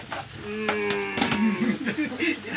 うん。